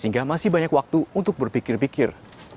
sehingga masih banyak waktu untuk berpikir pikir